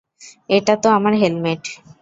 এটা তো আমার হেলমেট।